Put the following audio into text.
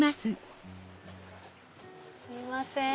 すいません。